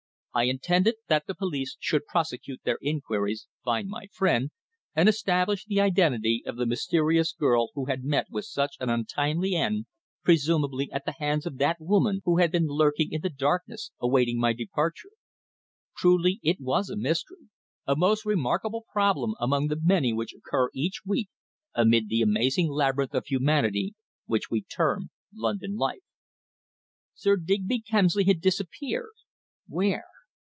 I intended that the police should prosecute their inquiries, find my friend, and establish the identity of the mysterious girl who had met with such an untimely end presumably at the hands of that woman who had been lurking in the darkness awaiting my departure. Truly it was a mystery, a most remarkable problem among the many which occur each week amid the amazing labyrinth of humanity which we term London life. Sir Digby Kemsley had disappeared. Where?